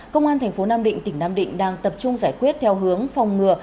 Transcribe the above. công an tp nam định tỉnh nam định đang tập trung giải quyết theo hướng phòng ngừa